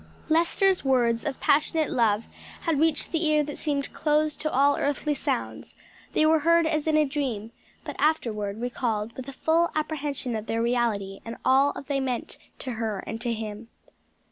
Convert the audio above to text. Lester's words of passionate love had reached the ear that seemed closed to all earthly sounds; they were heard as in a dream, but afterward recalled with a full apprehension of their reality and of all they meant to her and to him.